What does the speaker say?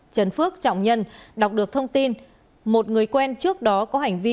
trần phước trọng nhân đọc được thông tin một người quen trước đó có hành vi